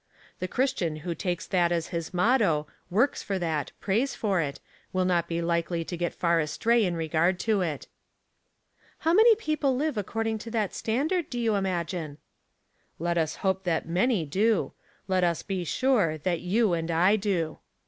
The Christian who takes that as his motto, works for that, prays for it, will not be likely to get far abtray in regard to it." " How many people live according to that standard do you imagine ?" ''Let lis ho[)e that ma???/ do; let us be sure that you and /do."